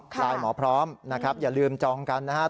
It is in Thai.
ไลน์หมอพร้อมนะครับอย่าลืมจองกันนะครับ